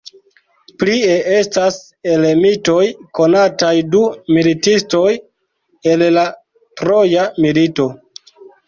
Plie estas el mitoj konataj du militistoj el la Troja milito.